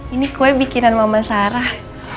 ini kue bikinan mama sarah